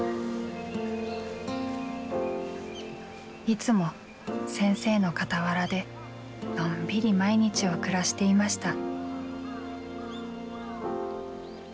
いつも先生の傍らでのんびり毎日を暮らしていました。